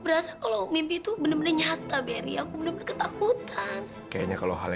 berasa kalau mimpi itu bener bener nyata beri aku bener ketakutan kayaknya kalau hal